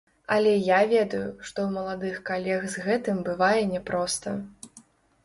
Але я ведаю, што ў маладых калег з гэтым бывае няпроста.